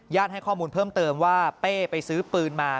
ให้ข้อมูลเพิ่มเติมว่าเป้ไปซื้อปืนมา